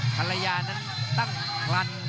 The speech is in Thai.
ถัลยานั้นตั้งหลัน